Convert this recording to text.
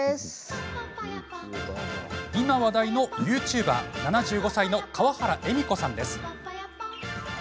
今、話題のＹｏｕＴｕｂｅｒ７５歳の川原恵美子さんです。